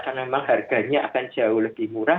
karena memang harganya akan jauh lebih murah